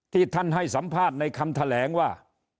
ที่ท่านให้สัมภาษณ์ในคำแถลงว่า